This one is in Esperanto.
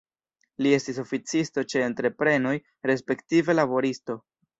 Li estis oficisto ĉe entreprenoj, respektive laboristo.